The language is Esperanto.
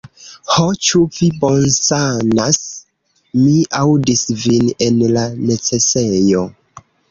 Ho, ĉu vi bonsanas? Mi aŭdis vin en la necesejo!